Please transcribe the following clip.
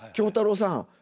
「喬太郎さん